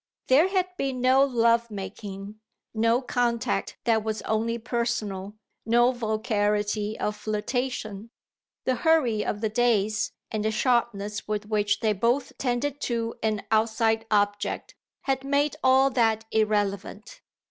There had been no love making, no contact that was only personal, no vulgarity of flirtation: the hurry of the days and the sharpness with which they both tended to an outside object had made all that irrelevant.